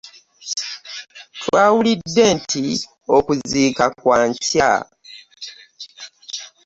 Twawulidde nti okuziika kwa nkya.